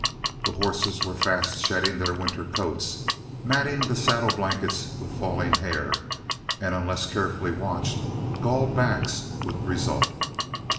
The horses were fast shedding their winter coats, matting the saddle blankets with falling hair, and unless carefully watched, galled backs would result.